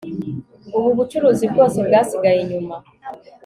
ubu bucuruzi bwose bwasigaye inyuma